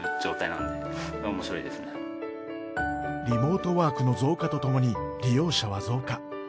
リモートワークの増加とともに利用者は増加。